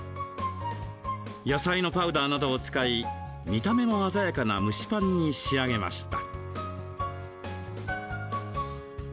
野菜のパウダーなどを使い見た目も鮮やかな蒸しパンに仕上げました。